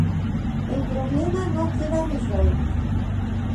El problema no queda resolt.